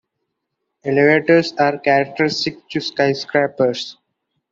Elevators are characteristic to skyscrapers.